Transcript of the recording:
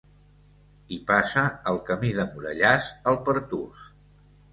Hi passa el Camí de Morellàs al Pertús.